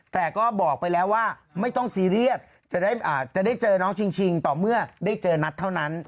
แต่ก็บอกไปแล้วว่าไม่ต้องซีเรียสจะได้เจอน้องชิงต่อเมื่อได้เจอนัทเท่านั้น